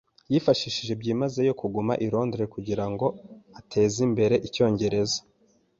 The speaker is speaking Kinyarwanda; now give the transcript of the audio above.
Yifashishije byimazeyo kuguma i Londres kugirango atezimbere icyongereza.